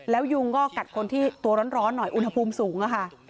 แล้วยุงก็กัดคนที่ตัวร้อนหน่อยอุณหภูมิสูงค่ะ